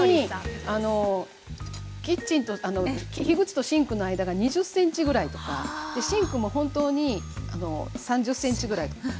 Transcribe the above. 火口とシンクの間が２０ｃｍぐらいとかシンクも本当に３０ｃｍぐらいと。